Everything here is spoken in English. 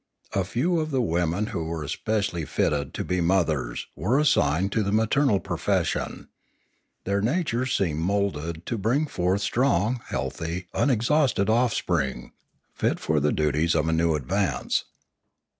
A few of the women who were especially fitted to be mothers were assigned to the maternal profession; their natures seemed moulded to bring forth strong, healthy, unexhausted offspring, fit for the duties of a new ad vance.